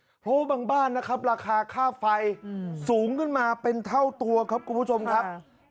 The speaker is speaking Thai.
เพราะว่าบางบ้านนะครับราคาค่าไฟสูงขึ้นมาเป็นเท่าตัวครับคุณผู้ชมครับ